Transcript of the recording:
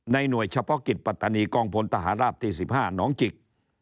หน่วยเฉพาะกิจปัตตานีกองพลทหารราบที่๑๕หนองจิก